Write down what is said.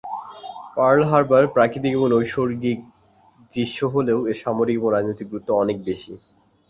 Pearl Harbor প্রাকৃতিক ও নৈসর্গিক দৃশ্য হলেও এর সামরিক ও রাজনৈতিক গুরুত্ব অনেক বেশি।